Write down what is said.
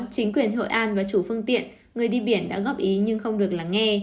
chính quyền hội an và chủ phương tiện người đi biển đã góp ý nhưng không được lắng nghe